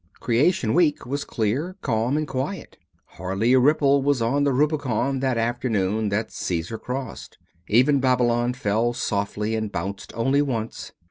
Creation week was clear, calm and quiet. Hardly a ripple was on the Rubicon the afternoon that Cæsar crossed. Even Babylon fell softly and bounced only once.